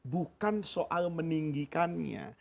bukan soal meninggikannya